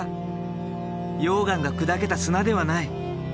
溶岩が砕けた砂ではない。